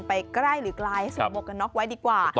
ไปใกล้หรือกลายส่งโปรเกณฑไว้ดีกว่า